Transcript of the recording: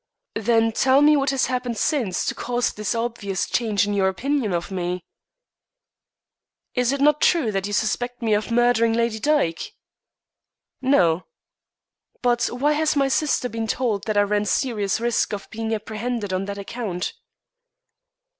"Then tell me what has happened since to cause this obvious change in your opinion of me?" "Is it not true that you suspect me of murdering Lady Dyke?" "No." "But why has my sister been told that I ran serious risk of being apprehended on that account?"